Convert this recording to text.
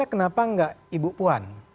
kenapa enggak ibu puan